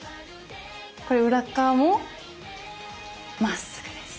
これ裏っかわもまっすぐです。